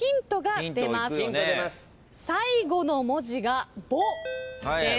最後の文字が「ぼ」です。